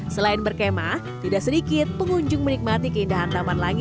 selain berkema tidak sedikit pengunjung menikmati kesehatan